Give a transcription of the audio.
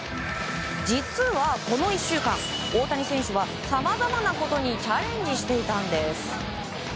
実はこの１週間大谷選手はさまざまなことにチャレンジしていたんです。